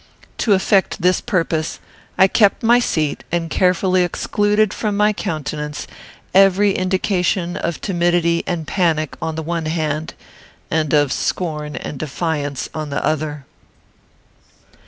To effect this purpose, I kept my seat, and carefully excluded from my countenance every indication of timidity and panic on the one hand, and of scorn and defiance on the other.